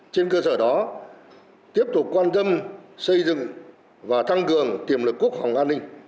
trên cơ sở đó tiếp tục quan tâm xây dựng và tăng cường tiềm lực quốc phòng an ninh